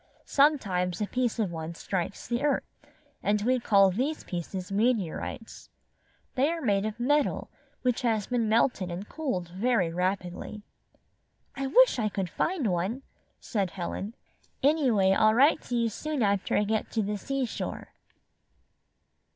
Sometimes a piece of one strikes the earth, and we call these pieces meteorites. They are made of metal which has been melted and cooled very rapidly." "I wish I could find one," said Helen. "Anyway I'll write to you soon after I get to the seashore."